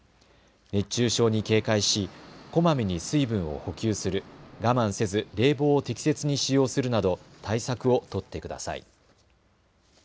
熱中症に警戒し、こまめに水分を補給する、我慢せず冷房を適切に使用するなど対策を取ってください。